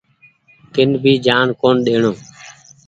ڪين ڀي جآن ڪونيٚ ۮيڻو۔